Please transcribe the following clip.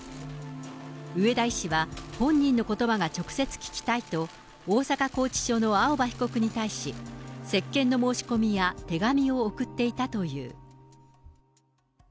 上田医師は、本人のことばが直接聞きたいと、大阪拘置所の青葉被告に対し、接見の申し込みや手紙を送っていたという。